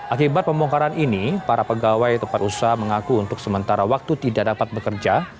akibat pembongkaran ini para pegawai tempat usaha mengaku untuk sementara waktu tidak dapat bekerja